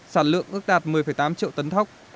sản lượng ước đạt một mươi tám triệu tấn thóc